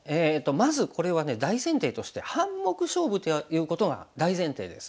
まずこれはね大前提として半目勝負ということが大前提です。